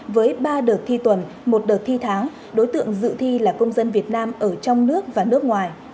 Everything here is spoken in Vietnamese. với ba đợt thi tuần một đợt thi tháng đối tượng dự thi là công dân việt nam ở trong nước và nước ngoài